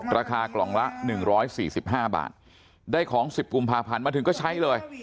ราคากล่องละหนึ่งร้อยสี่สิบห้าบาทได้ของสิบกุมภาพันธุ์มาถึงก็ใช้เลย